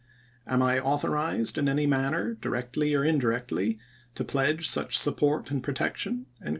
^""jn^^o!"' ^™ I authorized in any manner, directly or in voL xxiF; directly, to pledge such support and protection